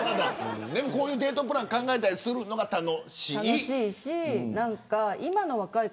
こういうデートプラン考えたりするのが楽しい。